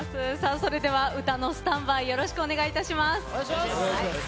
それでは歌のスタンバイよろしくお願いいたします。